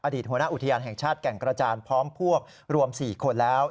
หัวหน้าอุทยานแห่งชาติแก่งกระจานพร้อมพวกรวม๔คนแล้ว